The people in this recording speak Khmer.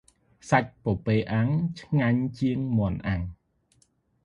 សាច់ពពែអាំង ឆ្ងាញ់ជាង មាន់អាំង។